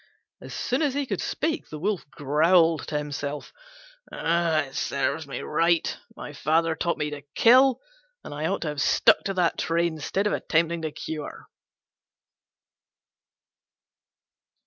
As soon as he could speak the Wolf growled to himself, "It serves me right: my father taught me to kill, and I ought to have stuck to that trade instead of attempting to cure."